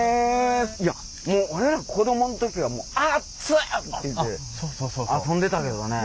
いやもう俺ら子どもん時はもう「あっつい！」っていうて遊んでたけどね。